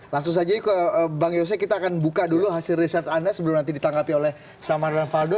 langsung saja ke bang yose kita akan buka dulu hasil research anda sebelum nanti ditanggapi oleh samar dan valdo